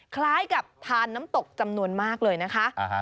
คล้ายกับทานน้ำตกจำนวนมากเลยนะคะ